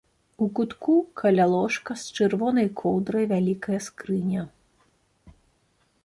У кутку каля ложка з чырвонай коўдрай вялікая скрыня.